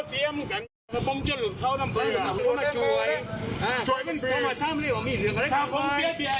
จากนั้นขี่รถจักรยานยนต์จากไปค่ะไปดูคลิปภาพเหตุการณ์นี้กันก่อนเลยค่ะ